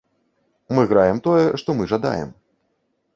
Мы граем тое, што мы жадаем.